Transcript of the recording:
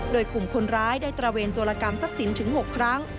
โดยกลุ่มคนร้ายได้ตระเวนโจรกรรมทรัพย์สินถึง๖ครั้ง